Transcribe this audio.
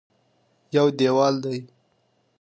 یو دېوال دی.